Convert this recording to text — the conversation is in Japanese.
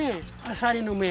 あさりの目。